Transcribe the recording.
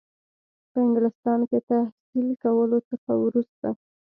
په انګلستان کې تحصیل کولو څخه وروسته.